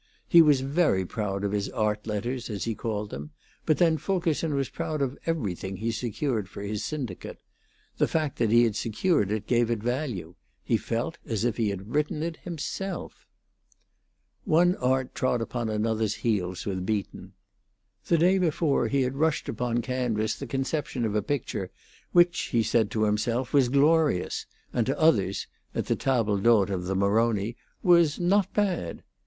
He was very proud of his art letters, as he called them; but then Fulkerson was proud of everything he secured for his syndicate. The fact that he had secured it gave it value; he felt as if he had written it himself. One art trod upon another's heels with Beaton. The day before he had rushed upon canvas the conception of a picture which he said to himself was glorious, and to others (at the table d'hote of Maroni) was not bad.